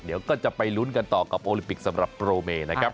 เดี๋ยวก็จะไปลุ้นกันต่อกับโอลิมปิกสำหรับโปรเมนะครับ